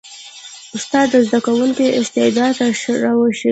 استاد د زده کوونکي استعداد راویښوي.